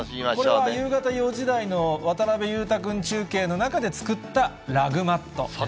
これは夕方４時台の渡辺裕太君中継の中で作ったラグマットですね。